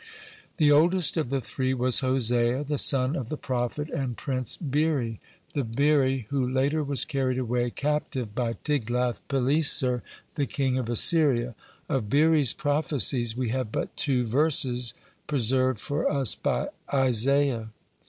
The oldest of the three was Hosea, (20) the son of the prophet and prince Beeri, the Beeri who later was carried away captive by Tiglath pileser, the king of Assyria. (21) Of Beeri's prophecies we have but two verses, preserved for us by Isaiah.